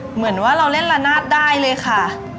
เหมือนว่าเราเล่นละนาดได้เลยค่ะ